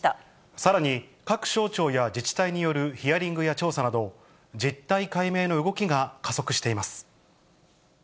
さらに、各省庁や自治体によるヒアリングや調査など、実態解明の動きが加速しています。